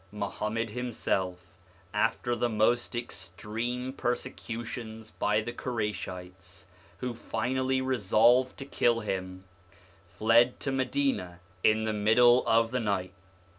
Muhammad himself, after the most extreme persecutions by the Quraishites, who finally resolved to kill him, fled to Madina in the middle of the night.